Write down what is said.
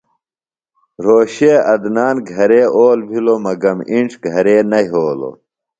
رھوشے عدنان گھرے اول بِھلوۡ۔ مگم اِنڇ گھرے نہ یھولوۡ۔